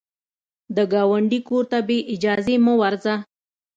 د ګاونډي کور ته بې اجازې مه ورځه